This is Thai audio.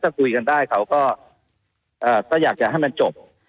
ถ้าคุยกันได้เขาก็อยากจะให้มันจบ